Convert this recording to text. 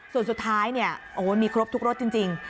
ส่วนสุดท้ายเนี่ยโอ้มีครบทุกรถจริง